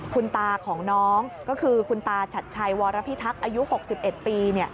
คุณตาของน้องก็คือคุณตาชัดชัยวรพิทักษ์อายุ๖๑ปี